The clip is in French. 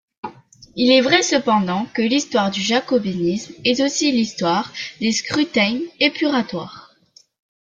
Il est vrai cependant que l’histoire du jacobinisme est aussi l’histoire des scrutins épuratoires.